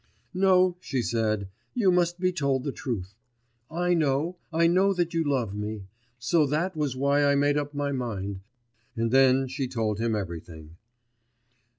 'No,' she said, 'you must be told the truth. I know, I know that you love me; so that was why I made up my mind ...' and then she told him everything.